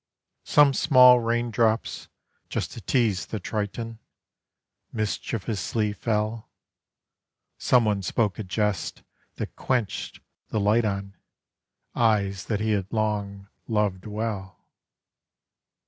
Some small raindrops, just to tease the Triton, Mischievously fell; Some one spoke a jest that quenched the light on Eyes that he had long loved well.